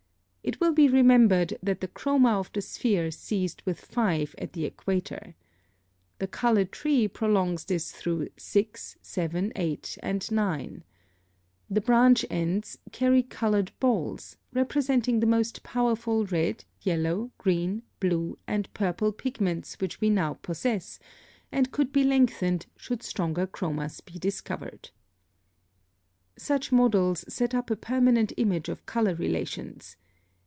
It will be remembered that the chroma of the sphere ceased with 5 at the equator. The color tree prolongs this through 6, 7, 8, and 9. The branch ends carry colored balls, representing the most powerful red, yellow, green, blue, and purple pigments which we now possess, and could be lengthened, should stronger chromas be discovered. [Footnote 12: See Plate I.] (35) Such models set up a permanent image of color relations.